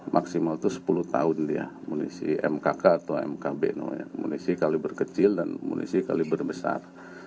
maksimal itu sepuluh tahun ya munisi mkk atau mkb munisi kaliber kecil dan munisi kaliber besar